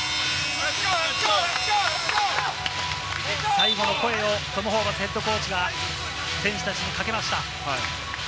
最後の声をトム・ホーバスＨＣが選手たちにかけました。